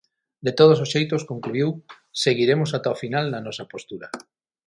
"De todos os xeitos", concluíu, "seguiremos ata o final na nosa postura".